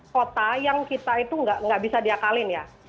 kota yang kita itu nggak bisa diakalin ya